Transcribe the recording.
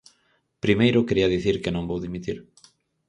Primeiro quería dicir que non vou dimitir.